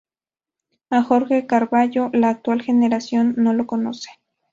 A Jorge Carvallo la actual generación no lo conoce.